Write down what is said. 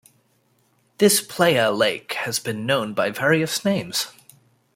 This playa lake has been known by various names.